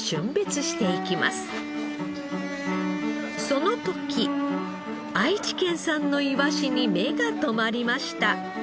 その時愛知県産のいわしに目が留まりました。